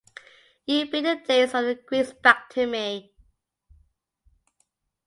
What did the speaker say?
You bring the days of the Greeks back to me.